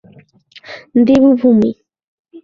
দেবী ভূমি।